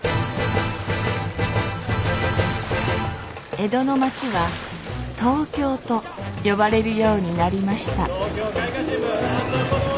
江戸のまちは東京と呼ばれるようになりました